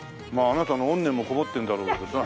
あなたの怨念もこもってるんだろうけどさ。